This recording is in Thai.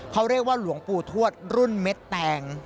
เขาเรียกว่าหลวงปู่ทวดรุ่นเม็ดแตง